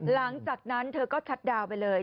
หลังจากนั้นเธอก็ชัดดาวน์ไปเลย